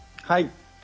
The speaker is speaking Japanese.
はい。